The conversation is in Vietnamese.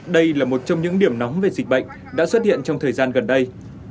đây là một trong những điểm nóng về dịch bệnh đã xuất hiện trong thời gian gần đây